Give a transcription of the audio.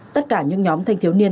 tất cả những nhóm thanh thiếu niên